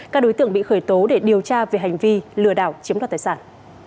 các đối tượng bị khởi tố để điều tra về hành vi lừa đảo chiếm đoạt tài sản